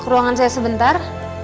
ruangan saya sebentar